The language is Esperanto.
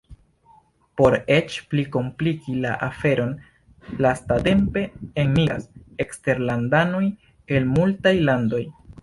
Por eĉ pli kompliki la aferon, lastatempe enmigras eksterlandanoj el multaj landoj.